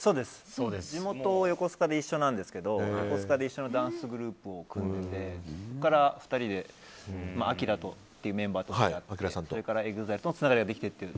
地元が横須賀で一緒なんですが横須賀で一緒のダンスグループを組んでそこから２人でＡＫＩＲＡというメンバーとそれからＥＸＩＬＥとつながりができてという。